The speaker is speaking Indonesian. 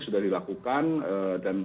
sudah dilakukan dan